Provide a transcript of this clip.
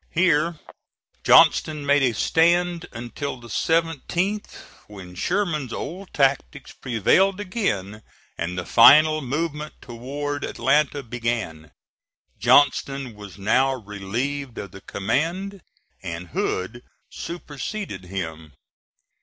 Here Johnston made a stand until the 17th, when Sherman's old tactics prevailed again and the final movement toward Atlanta began. Johnston was now relieved of the command, and Hood superseded him.